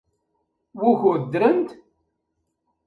Wukud ddrent?